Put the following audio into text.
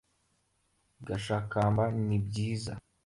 gashakamba ni byiza